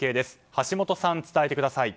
橋本さん、伝えてください。